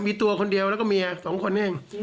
มีตัวคนเดียวแล้วก็เมียสองคนนี้เอง